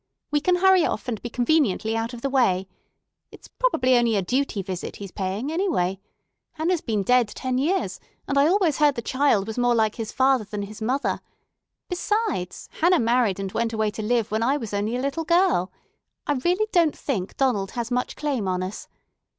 We can hurry off, and be conveniently out of the way. It's probably only a 'duty visit' he's paying, anyway. Hannah's been dead ten years, and I always heard the child was more like his father than his mother. Besides, Hannah married and went away to live when I was only a little girl. I really don't think Donald has much claim on us.